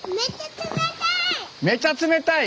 めっちゃ冷たい！